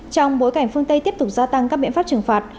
trong bối cảnh phương tây tiếp tục gia tăng các biện pháp trừng phạt